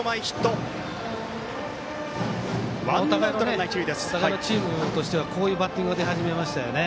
お互いのチームとしてはこういうバッティングが出始めましたよね。